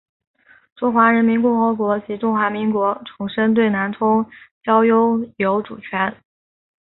中华人民共和国及中华民国重申对南通礁拥有主权。